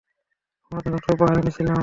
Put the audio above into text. তোমার জন্য একটা উপহার এনেছিলাম।